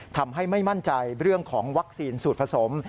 ทำให้ไม่มั่นใจเรื่องของวัคซีนสูตรผสม